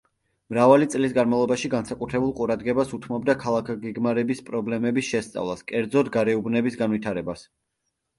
მრავალი წლის განმავლობაში განსაკუთრებულ ყურადღებას უთმობდა ქალაქგეგმარების პრობლემების შესწავლას, კერძოდ გარეუბნების განვითარებას.